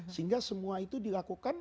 sehingga semua itu dilakukan